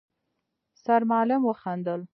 سرمعلم وخندل: